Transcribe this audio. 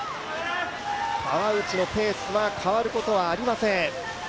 川内のペースは変わることはありません。